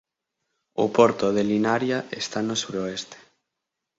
O porto de Linaria está no suroeste.